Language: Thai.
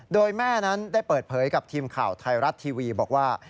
โดยแม่นั้นได้เปิดเผยกับทีมข่าวไทยรัฐทีวีบอกว่า